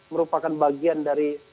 merupakan bagian dari